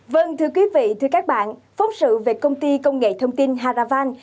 vâng thưa quý vị thưa các bạn phóng sự về công ty công nghệ thông tin haravan